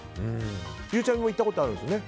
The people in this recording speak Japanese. ゆうちゃみも行ったことあるんですね。